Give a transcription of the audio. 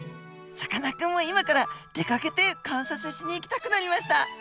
さかなクンも今から出かけて観察しに行きたくなりました。